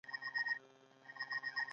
ایا زه باید بریالی شم؟